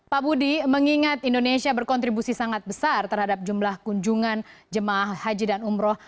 pak budi mengingat indonesia berkontribusi sangat besar terhadap jumlah kunjungan jemaah haji dan umroh